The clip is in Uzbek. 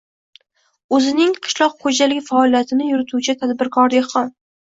o‘zining qishloq xo‘jalik faoliyatini yurituvchi tadbirkor-dehqon.